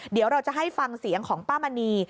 เดี๋ยวเราจะให้ฟังเสียงของป้ามณี